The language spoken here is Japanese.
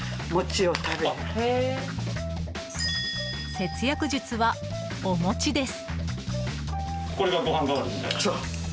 節約術はお餅です。